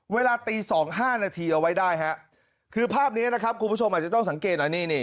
เวลาตี๒๕นาทีเอาไว้ได้ฮะคือภาพนี้นะครับคุณผู้ชมอาจจะต้องสังเกตนะนี่นี่